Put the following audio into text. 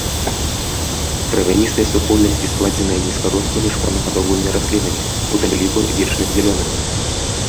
Травяністыя супольнасці складзеныя нізкарослымі шматгадовымі раслінамі, у тым ліку вечназялёнымі.